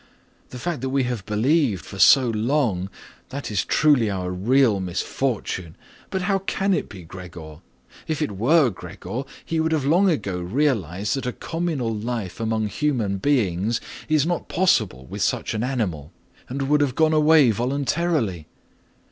The fact that we have believed for so long, that is truly our real misfortune. But how can it be Gregor? If it were Gregor, he would have long ago realized that a communal life among human beings is not possible with such an animal and would have gone away voluntarily.